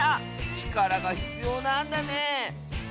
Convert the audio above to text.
ちからがひつようなんだね